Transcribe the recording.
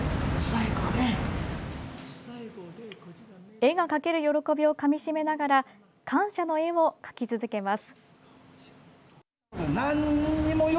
絵が描ける喜びをかみしめなが感謝の絵を描き続けます。